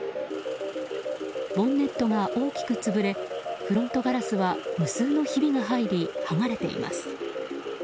ボンネットが大きく潰れフロントガラスは無数のひびが入り剥がれています。